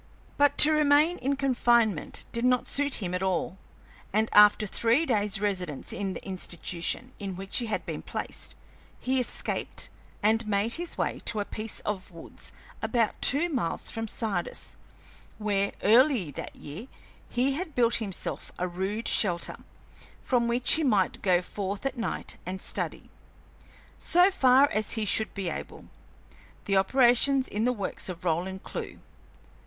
But to remain in confinement did not suit him at all, and, after three days' residence in the institution in which he had been placed, he escaped and made his way to a piece of woods about two miles from Sardis, where, early that year, he had built himself a rude shelter, from which he might go forth at night and study, so far as he should be able, the operations in the Works of Roland Clewe.